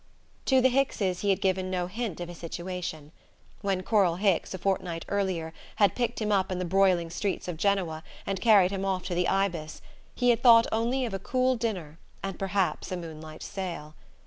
To the Hickses he had given no hint of his situation. When Coral Hicks, a fortnight earlier, had picked him up in the broiling streets of Genoa, and carried him off to the Ibis, he had thought only of a cool dinner and perhaps a moonlight sail.